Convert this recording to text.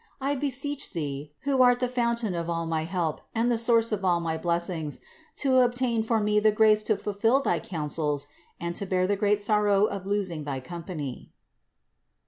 I beseech Thee, who art the fountain of all my help and the source of all my blessings, to obtain for me the grace to fulfill thy counsels and to bear the great sorrow of losing thy company."